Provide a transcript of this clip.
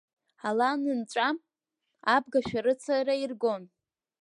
Ала анынҵәа, абга шәарыцара иргон…